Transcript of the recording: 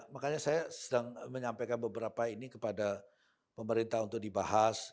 makanya saya sedang menyampaikan beberapa ini kepada pemerintah untuk dibahas